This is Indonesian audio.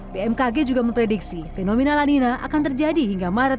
bmkg juga memprediksi fenomena lanina akan terjadi hingga maret dua ribu dua puluh satu